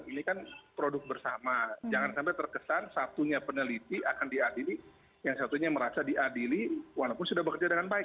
ini kan produk bersama jangan sampai terkesan satunya peneliti akan diadili yang satunya merasa diadili walaupun sudah bekerja dengan baik